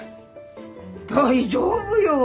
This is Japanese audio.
大丈夫よ！